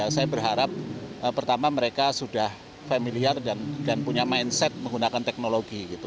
saya berharap pertama mereka sudah familiar dan punya mindset menggunakan teknologi